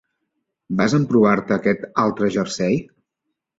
Vas emprovar-te aquest altre jersei?